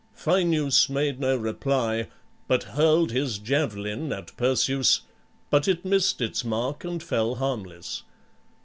Phineus made no reply, but hurled his javelin at Perseus, but it missed its mark and fell harmless.